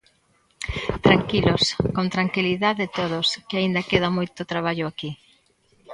Tranquilos, con tranquilidade todos, que aínda queda moito traballo aquí.